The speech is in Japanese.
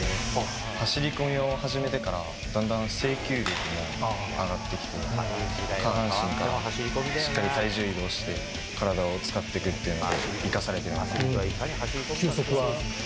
走り込みを始めてから、だんだん制球力も上がってきて、下半身から、しっかり体重移動して、体を使ってくっていうことに生かされてます。